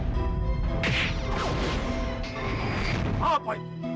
dewi sawitri dan sarpala